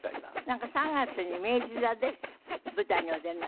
なんか３月に明治座で舞台にお出になる？